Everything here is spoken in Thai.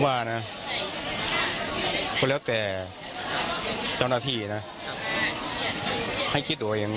ว่านะก็แล้วแต่เจ้าหน้าที่นะให้คิดดูว่าอย่าง